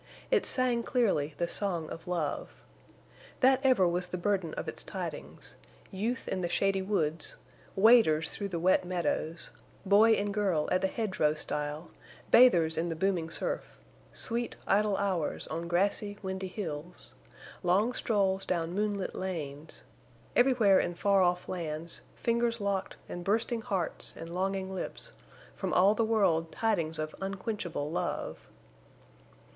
It sang clearly the song of love. That ever was the burden of its tidings—youth in the shady woods, waders through the wet meadows, boy and girl at the hedgerow stile, bathers in the booming surf, sweet, idle hours on grassy, windy hills, long strolls down moonlit lanes—everywhere in far off lands, fingers locked and bursting hearts and longing lips—from all the world tidings of unquenchable love.